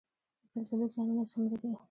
د زلزلو زیانونه څومره دي؟